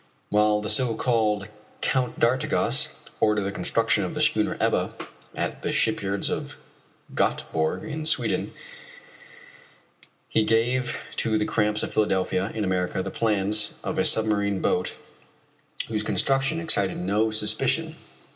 While the so called Count d'Artigas ordered the construction of the schooner Ebba at the shipyards of Gotteborg, in Sweden, he gave to the Cramps of Philadelphia, in America, the plans of a submarine boat whose construction excited no suspicion.